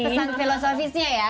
ada pesan filosofisnya